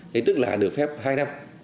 thế tức là được phép hai năm